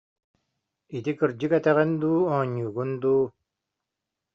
Ити кырдьык этэҕин дуу, оонньуугун дуу